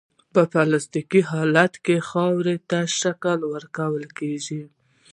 په پلاستیک حالت کې خاورې ته شکل ورکول کیږي